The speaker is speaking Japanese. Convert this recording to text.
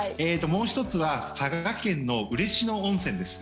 もう１つは佐賀県の嬉野温泉です。